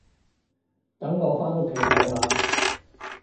等我返屋企睇下